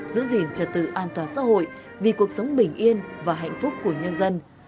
giữ gìn trật tự an toàn xã hội vì cuộc sống bình yên và hạnh phúc của nhân dân